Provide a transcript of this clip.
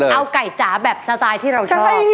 เอาไก่จ๋าแบบสไตล์ที่เราชอบ